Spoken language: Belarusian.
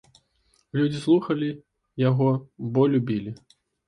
Людзі слухалі яго, бо любілі.